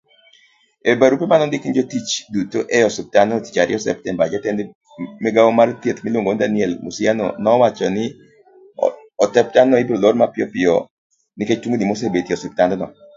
EbaruamaneondikinejotichdutoeosiptandnoTichAriyo, Septemba, jatendmigaomarthiethmiluongoniDanielMusianinowachonigimaneomiyoosiptandnoolorapoyaneennikechtungnimanenitieeosiptandno.